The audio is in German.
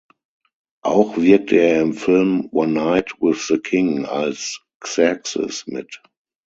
Auch wirkte er im Film "One Night with the King" als "Xerxes" mit.